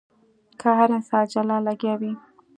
که هر انسان جلا لګيا وي.